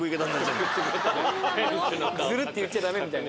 ズルッていっちゃダメみたいな。